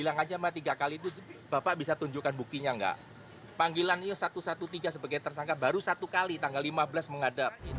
yang mempertanyakan dasar hukum penahanan kliennya karena masih terbaring sakit